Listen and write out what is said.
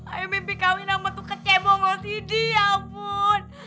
ayo mimpi kawin sama tuh kecebong rosidi ya ampun